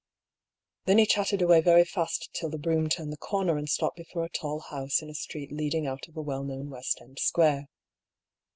Then he chatted away very fast till the brougham turned the comer and stopped before a tall house in a street leading out of a well known West end square.